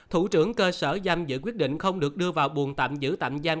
thủ trưởng cơ sở giam giữ quyết định không được đưa vào buồn tạm giữ tạm giam